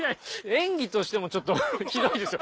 演技としてもちょっとひどいですよ。